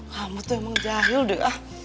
kamu tuh emang jahil deh